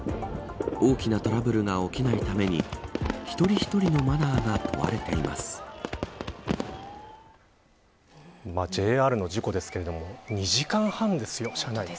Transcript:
大きなトラブルが起きないために一人一人のマナーが問われていまＪＲの事故ですけれども２時間半ですよ、車内に。